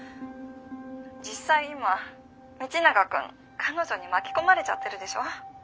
実際今道永君彼女に巻き込まれちゃってるでしょ。